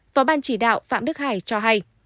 phó ban chỉ đạo phạm đức hải cho hay